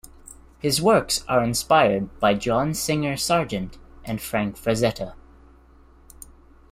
His works are inspired by John Singer Sargent and Frank Frazetta.